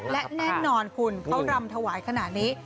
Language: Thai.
และแน่นอนคุณเขารำถวายขนาดนี้